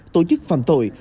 tổ chức phạm tội